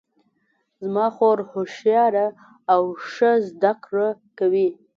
زما خور هوښیاره ده او ښه زده کړه کوي